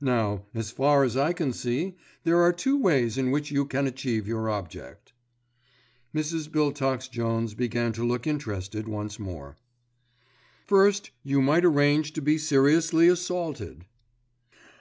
Now, as far as I can see, there are two ways in which you can achieve your object." Mrs. Biltox Jones began to look interested once more. "First you might arrange to be seriously assaulted."